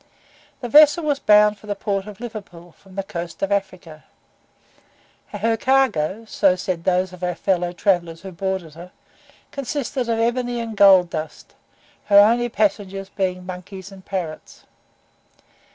This vessel was bound for the port of Liverpool, from the coast of Africa; her cargo (so said those of our fellow travellers who boarded her), consisted of ebony and gold dust, her only passengers being monkeys and parrots.